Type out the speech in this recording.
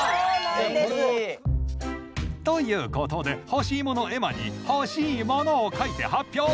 縁起いい！ということで「ほしいも」の絵馬に「ほしいもの」を書いて発表！